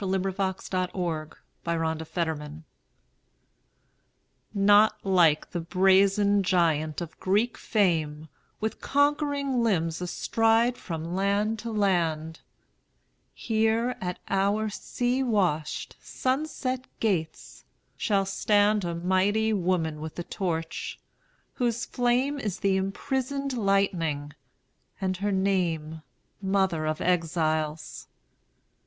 The New Colossus Emma Lazarus NOT like the brazen giant of Greek fame, With conquering limbs astride from land to land; Here at our sea washed, sunset gates shall standA mighty woman with a torch, whose flameIs the imprisoned lightning, and her nameMother of Exiles.